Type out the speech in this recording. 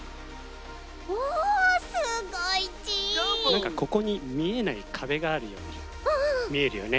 なんかここにみえないかべがあるようにみえるよね。